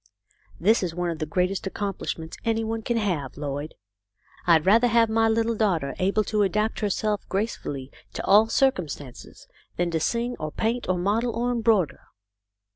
That is one of the greatest accomplish ments any one can have, Lloyd. I'd rather have my little daughter able to adapt herself gracefully to all circumstances, than to sing or paint or model or embroider.